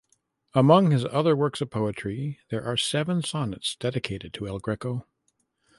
Among his other works of poetry there are seven sonnets dedicated to El Greco.